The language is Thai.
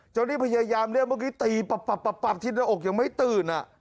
จนที่พยายามเรียกเมื่อกี้ตีปับปับปับปับที่ในอกยังไม่ตื่นอ่ะ